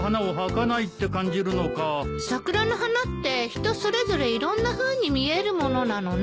桜の花って人それぞれいろんなふうに見えるものなのね。